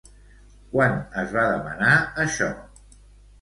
Quan es va demanar això?